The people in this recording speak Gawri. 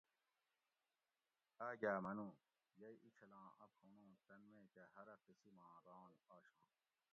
آۤگاۤ منو: یئ ایں چھلاں اۤ پھونڑ اُوں تن میکہ ہرۤہ قسم آں رانگ آشاں